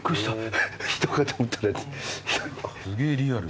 すげえリアル。